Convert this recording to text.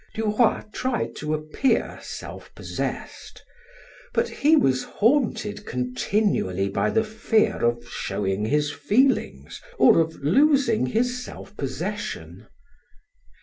Duroy tried to appear self possessed, but he was haunted continually by the fear of showing his feelings or of losing his self possession.